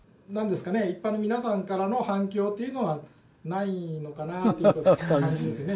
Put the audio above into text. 一般の皆さんからの反響というのはないのかなという事は感じますよね。